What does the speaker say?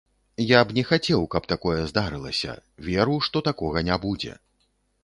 Я б не хацеў, каб такое здарылася, веру, што такога не будзе.